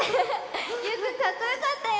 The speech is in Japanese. ゆうくんかっこよかったよ！